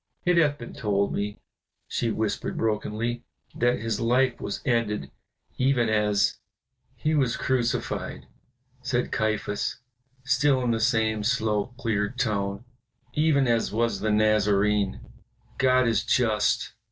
"It hath been told me," she whispered brokenly, "that his life was ended even as " "He was crucified," said Caiaphas, still in the same slow, clear tone, "even as was the Nazarene. God is just.